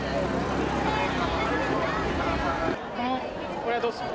これはどうする？